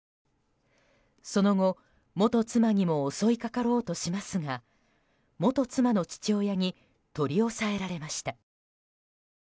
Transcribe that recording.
その後、元妻にも襲いかかろうとしますが元妻の父親に取り押さえられました。